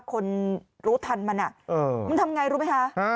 คนรู้ทันมันมันทำไงรู้ไหมคะ